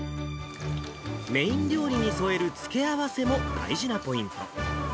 メイン料理にそえるつけあわせも大事なポイント。